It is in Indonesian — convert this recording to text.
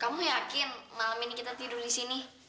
kamu yakin malam ini kita tidur disini